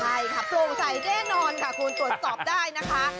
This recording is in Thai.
ใช่ค่ะโปร่งใสแน่นอนค่ะคุณตรวจสอบได้นะคะ